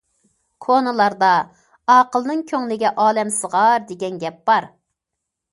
كونىلاردا:« ئاقىلنىڭ كۆڭلىگە ئالەم سىغار» دېگەن گەپ بار.